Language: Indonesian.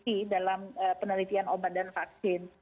pertama adalah penelitian obat dan vaksin